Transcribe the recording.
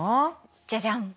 じゃじゃん！